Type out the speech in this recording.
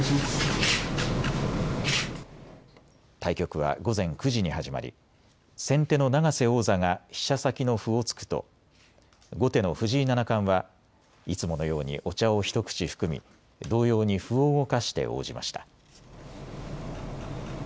対局は午前９時に始まり、先手の永瀬王座が飛車先の歩を突くと後手の藤井七冠はいつものようにお茶を一口含み同様に歩を動かして応じました。